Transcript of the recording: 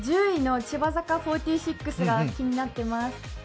１０位の千葉坂４６が気になっています。